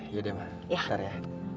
yaudah mah ntar ya